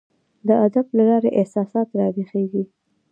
د ادب له لاري احساسات راویښیږي.